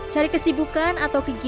cari kesibukan atau kegigilan